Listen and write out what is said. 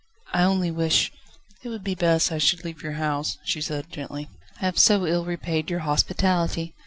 I only wish ..." "It would be best I should leave your house," she said gently; "I have so ill repaid your hospitality.